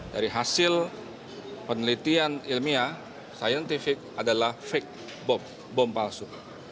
dari hasil penelitian ilmiah scientific adalah fake box bom palsu